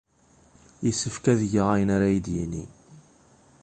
Yessefk ad geɣ ayen ara iyi-d-yini.